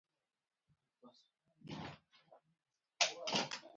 که پېیر کوري د کان مواد نه پرتله کړي، پایله به غلطه وي.